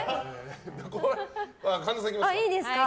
神田さん、いきますか。